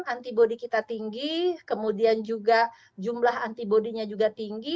antibody kita tinggi kemudian juga jumlah antibody nya juga tinggi